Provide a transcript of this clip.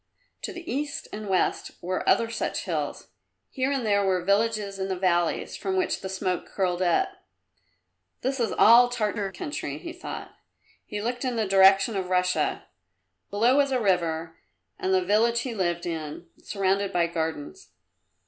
To the east and west were other such hills; here and there were villages in the valleys from which the smoke curled up. "This is all Tartar country," he thought. He looked in the direction of Russia below was a river, and the village he lived in, surrounded by gardens.